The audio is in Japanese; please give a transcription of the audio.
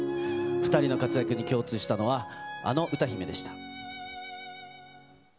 ２人の活躍に共通したのは、あの歌姫でした。